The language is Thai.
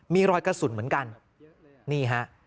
มีรอยกระสุนเหมือนกันนี่ฮะ